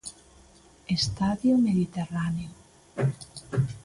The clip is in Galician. Estadio Mediterráneo.